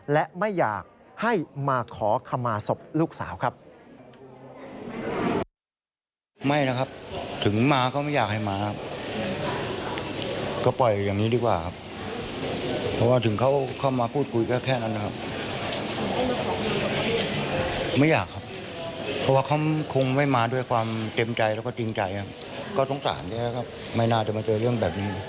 และไม่อยากให้มาขอขมาศพลูกสาวครับ